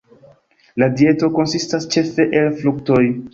La dieto konsistas ĉefe el fruktoj.